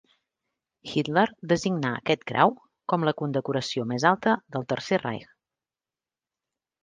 Hitler designà aquest grau com la condecoració més alta del Tercer Reich.